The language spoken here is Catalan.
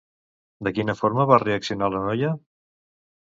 De quina forma va reaccionar la noia?